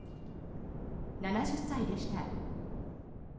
７０歳でした。